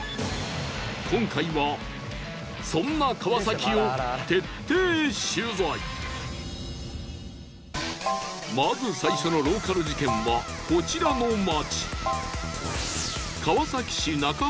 今回はそんなまず最初のローカル事件はこちらの街。